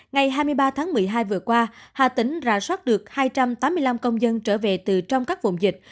ngày hai mươi ba tháng một mươi hai vừa qua hà tĩnh rà soát được hai trăm tám mươi năm công dân trở về từ trong các vùng dịch